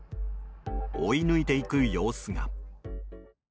追い抜いていく様子が。